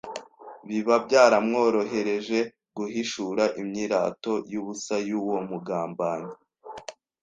Biba byaramworohereje guhishura imyirato y'ubusa y'uwo mugambanyi